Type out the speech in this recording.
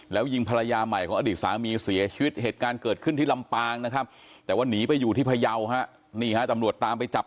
แล้วยิงภรรยาใหม่ของอดีตสามีเสียชีวิตเหตุการณ์เกิดขึ้นที่ลำปางนะครับแต่ว่าหนีไปอยู่ที่พยาวฮะนี่ฮะตำรวจตามไปจับ